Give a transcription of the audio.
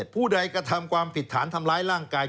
ผู้ใดกระทำความผิดฐานทำร้ายร่างกาย